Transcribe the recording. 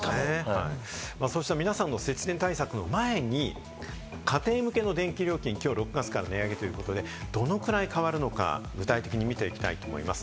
そうした皆さんの節電対策の前に、家庭向けの電気料金、きょう６月から値上げということで、どのくらい変わるのか、具体的に見ていきたいと思います。